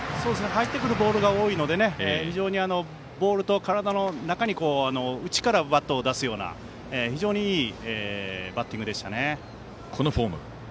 入ってくるボールが多いので非常にボールと体の中に内からバットを出すような非常にいいバッティングでした。